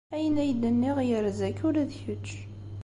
Ayen ay d-nniɣ yerza-k ula d kečč.